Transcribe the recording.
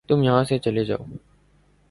تم یہاں سے چلے جاؤ